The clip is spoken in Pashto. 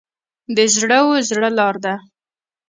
د زړه و زړه لار ده.